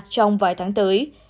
trong vài tháng tới